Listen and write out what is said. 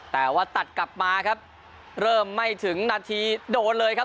แต่ว่าตัดกลับมาครับเริ่มไม่ถึงนาทีโดนเลยครับ